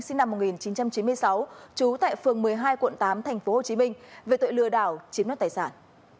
sinh năm một nghìn chín trăm chín mươi sáu trú tại phường một mươi hai quận tám tp hcm về tội lừa đảo chiếm đoạt tài sản